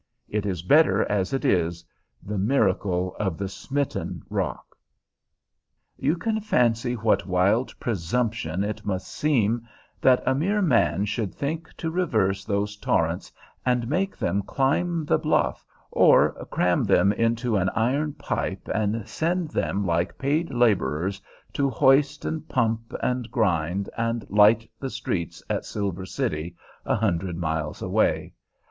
It is better as it is the miracle of the smitten rock. You can fancy what wild presumption it must seem that a mere man should think to reverse those torrents and make them climb the bluff or cram them into an iron pipe and send them like paid laborers to hoist and pump and grind, and light the streets at Silver City, a hundred miles away.